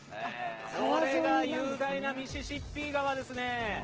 これが雄大なミシシッピ川ですね。